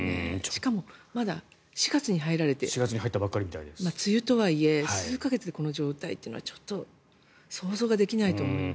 しかも、まだ４月に入られて梅雨とはいえ数か月でこの状態というのはちょっと想像ができないと思います。